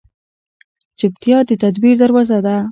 چپتیا، د تدبیر دروازه ده.